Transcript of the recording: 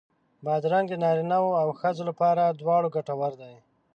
بادرنګ د نارینو او ښځو لپاره دواړو ګټور دی.